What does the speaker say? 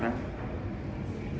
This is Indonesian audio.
pulang ke jakarta